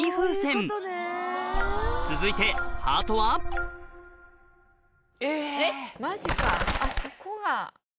続いてハートはえぇ！